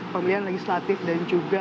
pemilihan legislatif dan juga